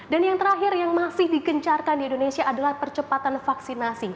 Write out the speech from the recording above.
yang terakhir yang masih digencarkan di indonesia adalah percepatan vaksinasi